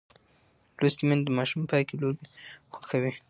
لوستې میندې د ماشوم پاکې لوبې خوښوي.